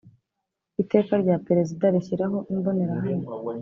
Iteka rya Perezida rishyiraho imbonerahamwe